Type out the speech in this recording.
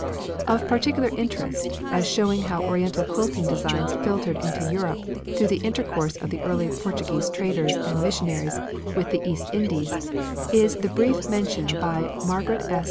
Of particular interest, as showing how oriental quilting designs filtered into Europe through the intercourse of the early Portuguese traders and missionaries with the East Indies, is the brief mention by Margaret S.